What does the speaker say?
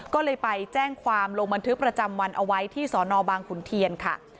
ก็เลยไปแจ้งความลงบันทึกประจำวันเอาไว้ที่สนบางขุนเทียนค่ะ